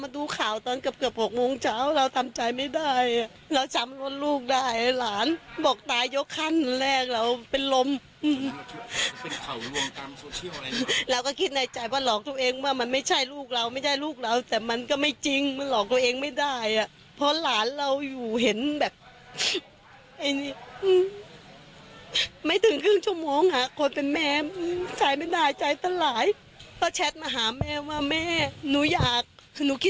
ดูข่าวตอนเกือบ๖โมงเช้าเราทำจ่ายไม่ได้อ่ะเราจำว่าลูกได้หลานบอกตายยกขั้นแรกเราเป็นลมเราก็คิดในใจว่าหลอกตัวเองว่ามันไม่ใช่ลูกเราไม่ใช่ลูกเราแต่มันก็ไม่จริงมันหลอกตัวเองไม่ได้อ่ะเพราะหลานเราอยู่เห็นแบบไอ้นี่ไม่ถึงครึ่งชั่วโมงหาคนเป็นแม่จ่ายไม่ได้จ่ายตลายพอแชทมาหาแม่ว่าแม่หนูอยากหนูค